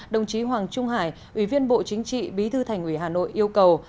đồng chí hoàng trung hải ủy viên bộ chính trị bí thư thành ủy hà nội yêu cầu